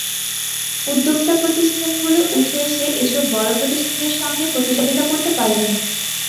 উদ্যোক্তা প্রতিষ্ঠানগুলো উঠে এসে এসব বড় প্রতিষ্ঠানের সঙ্গে প্রতিযোগিতা করতে পারবে না।